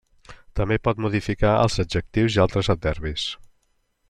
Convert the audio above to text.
També pot modificar els adjectius i altres adverbis.